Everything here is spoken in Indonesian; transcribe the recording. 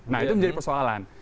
nah itu menjadi persoalan